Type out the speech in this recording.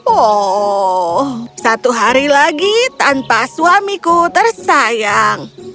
oh satu hari lagi tanpa suamiku tersayang